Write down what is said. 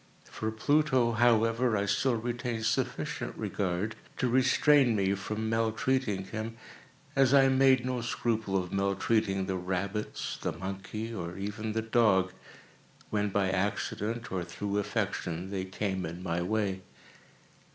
For Pluto, however, I still retained sufficient regard to restrain me from maltreating him, as I made no scruple of maltreating the rabbits, the monkey, or even the dog, when by accident, or through affection, they came in my way.